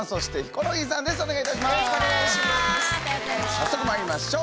早速まいりましょう。